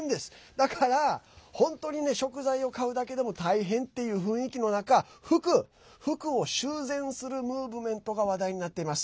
だから本当にね食材を買うだけでも大変っていう雰囲気の中服を修繕するムーブメントが話題になっています。